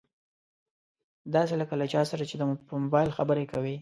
داسې لکه له چا سره چې په مبايل خبرې کوي.